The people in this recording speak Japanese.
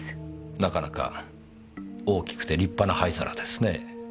なかなか大きくて立派な灰皿ですねぇ。